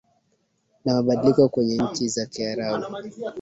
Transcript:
na mabadiliko kwenye nchi za kiarabu